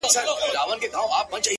• بلا ترې زیږي بلا پر اوري ,